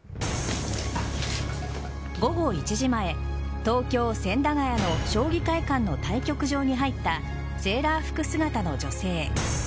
午後１時前東京・千駄ケ谷の将棋会館の対局場に入ったセーラー服姿の女性。